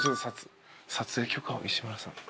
撮影許可を石丸さん。